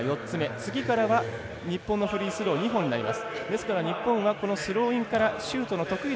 次からは日本のフリースローは２本になります。